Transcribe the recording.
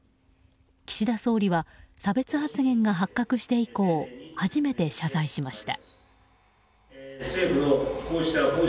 岸田総理は差別発言が発覚して以降初めて謝罪しました。